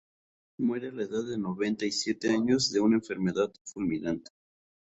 Muere a la edad de noventa y siete años de una enfermedad fulminante.